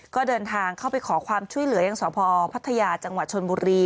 ก็เดินทางเข้าไปขอความช่วยเหลือยังสพพัทยาจังหวัดชนบุรี